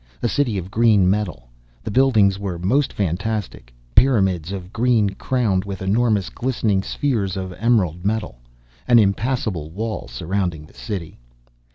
A city of green metal. The buildings were most fantastic pyramids of green, crowned with enormous, glistening spheres of emerald metal. An impassable wall surrounding the city.